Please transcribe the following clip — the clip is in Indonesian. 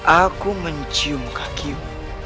aku mencium kakiku